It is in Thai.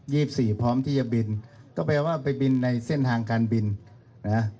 สิบสี่พร้อมที่จะบินก็แปลว่าไปบินในเส้นทางการบินนะฮะ